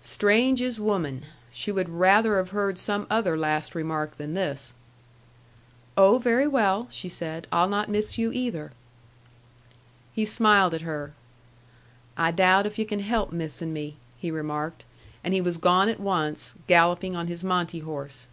Strange is woman! She would rather have heard some other last remark than this. "Oh, very well!" she said. "I'll not miss you either." He smiled at her. "I doubt if yu' can help missin' me," he remarked. And he was gone at once, galloping on his Monte horse.